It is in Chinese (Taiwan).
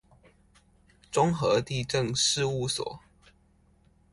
中和地政事務所